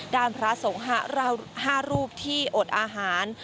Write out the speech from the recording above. ด้านพระสงฆ์๕รูปที่อดอาหาร